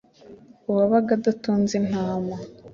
uwabaga adatunze intama,